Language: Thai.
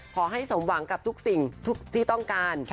ขอให้สมหวังกับทุกสิ่งทุกที่ต้องการ